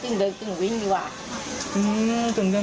กึ่งเดินกึ่งวิ่งประมาณนั้น